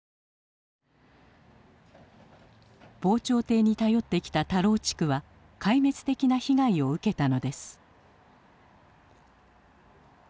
防潮堤に頼ってきた田老地区は壊滅的な被害を受けたのです。